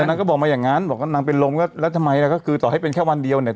นางก็บอกมาอย่างนั้นบอกว่านางเป็นลมก็แล้วทำไมล่ะก็คือต่อให้เป็นแค่วันเดียวเนี่ย